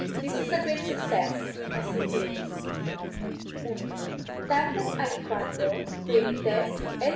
This is a great success, as he feels._ =1.= Tandem aliquando, Quirites, L.